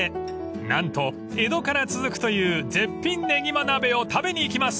［何と江戸から続くという絶品ねぎま鍋を食べに行きます］